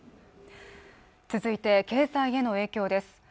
続いて経済への影響です